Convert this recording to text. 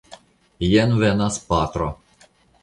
Jen venas patro.